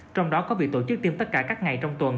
trong đó có việc tổ chức tiêm tất cả các ngày trong tuần